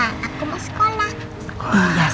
aku mau sekolah